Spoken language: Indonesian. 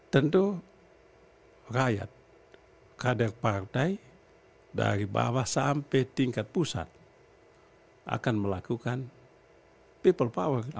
tentu rakyat kader partai dari bawah sampai tingkat pusat akan melakukan people power